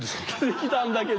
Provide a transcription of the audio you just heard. できたんだけど。